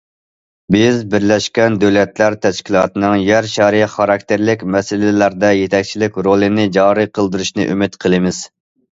بىز، بىرلەشكەن دۆلەتلەر تەشكىلاتىنىڭ يەر شارى خاراكتېرلىك مەسىلىلەردە يېتەكچىلىك رولىنى جارى قىلدۇرۇشىنى ئۈمىد قىلىمىز.